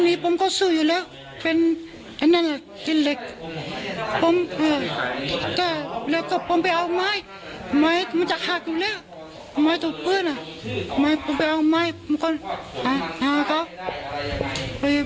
มีโทษอะไรบ้างไหมตอนที่เค้าทำร้ายเราได้ห้ามได้